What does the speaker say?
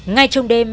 ngay trong đêm